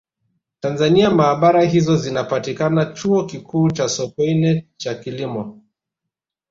Tanzania maabara hizo zinapatikana Chuo Kikuu cha Sokoine cha Kilimo